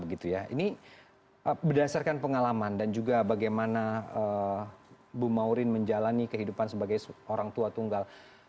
ini berdasarkan pengalaman dan juga bagaimana bu maurin menjalani kehidupan sebagai orang tua tunggal